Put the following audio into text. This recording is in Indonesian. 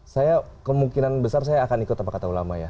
saya kemungkinan besar saya akan ikut apa kata ulama ya